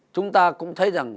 chúng ta cũng thấy rằng